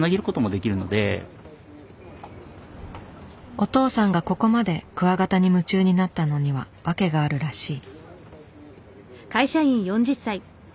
お父さんがここまでクワガタに夢中になったのには訳があるらしい。